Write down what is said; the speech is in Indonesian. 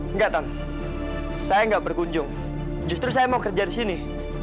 enggak tan saya nggak berkunjung justru saya mau kerja di sini